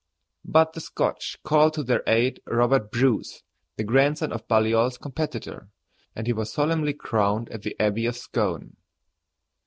But the Scotch called to their aid Robert Bruce, the grandson of Baliol's competitor, and he was solemnly crowned at the Abbey of Scone.